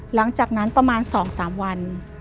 หลังจากนั้นประมาณ๒๓วัน